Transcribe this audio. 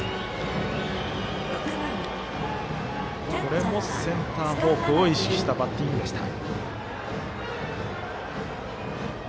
これもセンター方向を意識したバッティングでした。